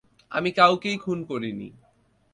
আমি কাউকেই খুন করিনি!